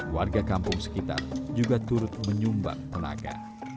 warga kampung sekitar juga turut menyumbang tenaga